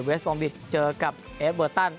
เวสบองบิทเจอกับเอฟเบอร์ตัน